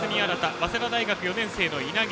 早稲田大学４年生、稲毛